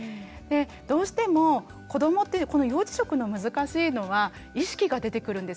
どうしても子どもってこの幼児食の難しいのは意識が出てくるんですよね。